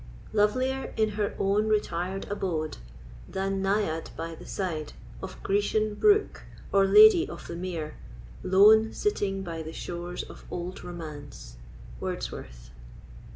Lovelier in her own retired abode ....than Naiad by the side Of Grecian brook—or Lady of the Mere Lone sitting by the shores of old romance. WORDSWORTH.